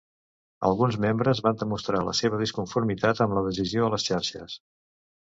Alguns membres van demostrar la seva disconformitat amb la decisió a les xarxes.